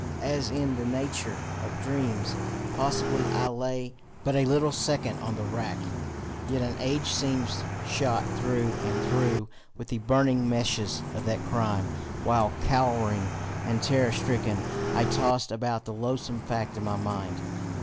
As is in the nature of dreams, possibly I lay but a little second on the rack, yet an age seemed shot through and through with the burning meshes of that crime, while, cowering and terror stricken, I tossed about the loathsome fact in my mind.